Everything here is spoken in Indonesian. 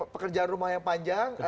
pekerjaan rumah yang panjang